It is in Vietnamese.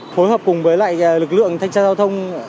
phối hợp cùng với lại lực lượng thanh tra giao thông